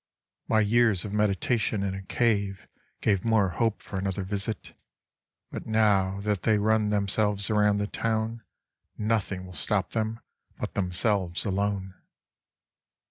My years of meditation in a cave Gave more hope for another visit ; But now that they run themselves around the town Nothing will stop them but themselves alone.